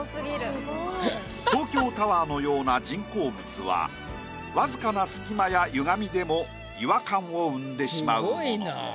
東京タワーのような人工物は僅かな隙間やゆがみでも違和感を生んでしまうもの。